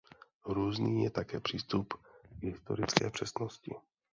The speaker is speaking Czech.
Různý je také přístup k historické přesnosti.